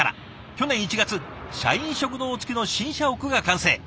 去年１月社員食堂付きの新社屋が完成。